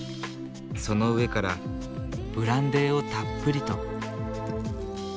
その上からブランデーをたっぷりと。